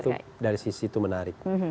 itu dari sisi itu menarik